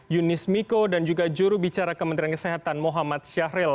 yunis miko dan juga juru bicara kementerian kesehatan muhammad syahril